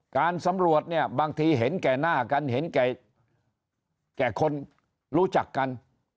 การสำรวจเนี่ยบางทีเห็นแก่หน้ากันเห็นแก่คนรู้จักกัน